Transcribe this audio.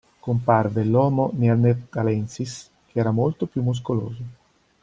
Comparve l'Homo Neanderthalensis che era molto più muscoloso.